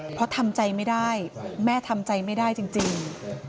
เพราะทำใจไม่ได้แม่ทำใจไม่ได้จริง